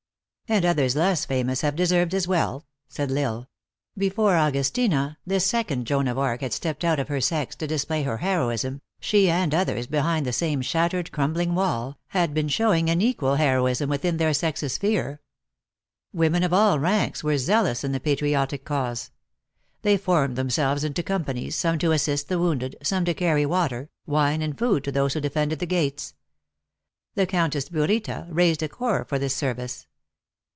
" And others less famous have deserved as well," said L Isle. " Before Augustina, this second Joan of Arc, had stepped out of her sex, to display her hero ism, she and others, behind the same shattered, crum bling wall, had been showing an equal heroism within their sex s sphere. Women of all ranks were zealous in the patriotic cause. They formed themselves into companies, some to assist the wounded, some to carry water, wine and food to those who defended the gates. The Countess Burita raised a corps for this service.